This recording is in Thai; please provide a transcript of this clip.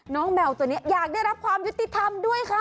แมวตัวนี้อยากได้รับความยุติธรรมด้วยค่ะ